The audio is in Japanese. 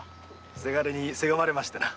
伜にせがまれましてな。